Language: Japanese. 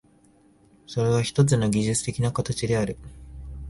それはひとつの技術的な形である。